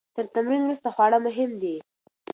تر تمرین وروسته خواړه مهم دي.